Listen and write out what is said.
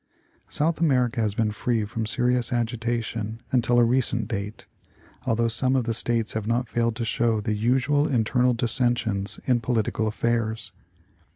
South America has been free from serious agitation until a recent date ; although some of the States have not failed to show the usual internal dissensions in political affairs.